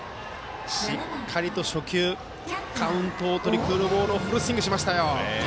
しっかりと初球カウントをとりにくるボールをフルスイングしましたよ。